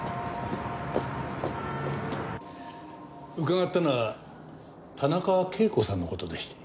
伺ったのは田中啓子さんの事でして。